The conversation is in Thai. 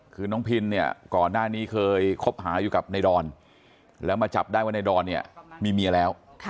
คือน้องพินเนี่ยก่อนหน้านี้เคยคบหาอยู่กับในดอนแล้วมาจับได้ว่าในดอนเนี่ยมีเมียแล้ว